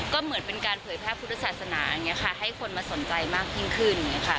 ก็เหมือนเป็นการเผยแพร่พุทธศาสนาอย่างนี้ค่ะให้คนมาสนใจมากยิ่งขึ้นอย่างนี้ค่ะ